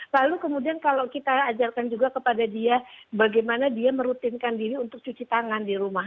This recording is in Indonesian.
lalu kemudian kalau kita ajarkan juga kepada dia bagaimana dia merutinkan diri untuk cuci tangan di rumah